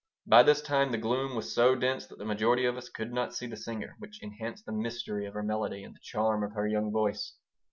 By this time the gloom was so dense that the majority of us could not see the singer, which enhanced the mystery of her melody and the charm of her young voice.